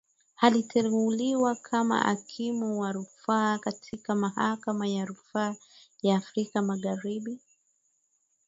Aliteuliwa kama Hakimu wa Rufaa katika Mahakama ya Rufaa ya Afrika Magharibi